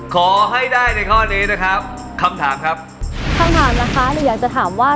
ขอให้ได้ในข้อนี้นะครับคำถามครับคำถามล่ะคะหนูอยากจะถามว่า